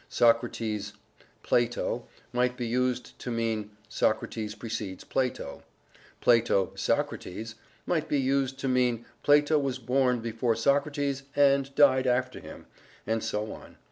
"Socrates Plato" might be used to mean "Socrates precedes Plato"; "Plato Socrates" might be used to mean "Plato was born before Socrates and died after him"; and so on.